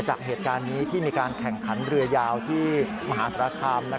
จากเหตุการณ์นี้ที่มีการแข่งขันเรือยาวที่มหาสารคาม